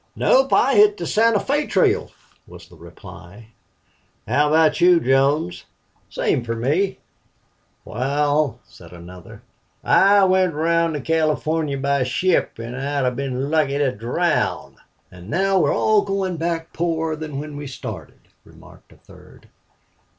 "Nope. I hit the Santa Fe Trail," was the reply. "How about you, Jones?" "Same fer me." "Wal," said another, "I went round to California by ship, an' I'd hev been lucky to drown." "An' now we're all goin' back poorer than when we started," remarked a third.